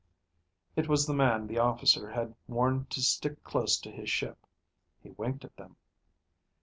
It was the man the officer had warned to stick close to his ship. He winked at them.